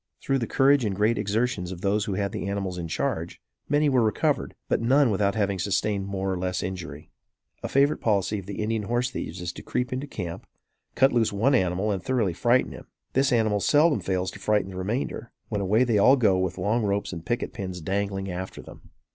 Through the courage and great exertions of those who had the animals in charge, many were recovered, but none without having sustained more or less injury. A favorite policy of the Indian horse thieves is to creep into camp, cut loose one animal and thoroughly frighten him. This animal seldom fails to frighten the remainder, when away they all go with long ropes and picket pins dangling after them.